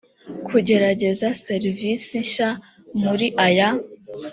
kugerageza serivisi nshya muri aya